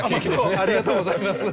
ありがとうございます。